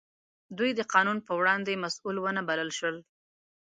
دوی د قانون په وړاندې مسوول ونه بلل شول.